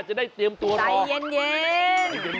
จะได้เตรียมตัวใจเย็น